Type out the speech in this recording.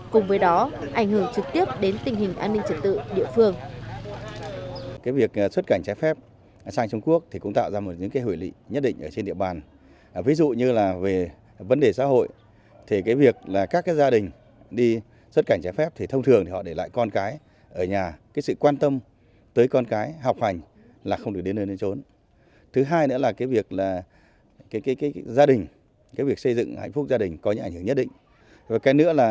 cùng với đó ảnh hưởng trực tiếp đến tình hình an ninh trật tự địa phương